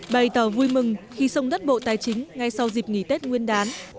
bày tỏ vui mừng khi sông đất bộ tài chính ngay sau dịp nghỉ tết nguyên đán